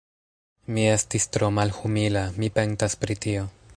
Mi estis tro malhumila: mi pentas pri tio.